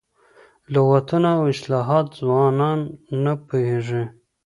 لغتونه او اصطلاحات ځوانان نه پوهېږي.